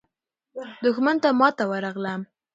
دښمن ته ماته ورغله.